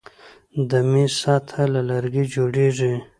د میز سطحه له لرګي جوړیږي.